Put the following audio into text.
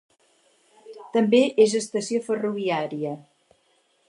També és estació ferroviària.